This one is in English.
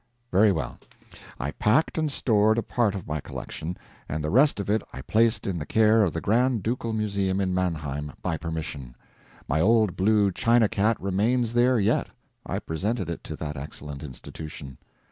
Very well; I packed and stored a part of my collection, and the rest of it I placed in the care of the Grand Ducal Museum in Mannheim, by permission. My Old Blue China Cat remains there yet. I presented it to that excellent institution.